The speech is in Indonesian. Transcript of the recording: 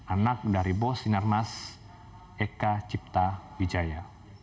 anak dari bos sinarmas eka cipta wijaya